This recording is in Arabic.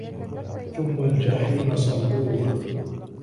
ثُمَّ الجَحيمَ صَلّوهُ